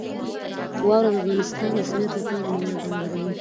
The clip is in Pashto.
واوره د افغانستان د صنعت لپاره مواد برابروي.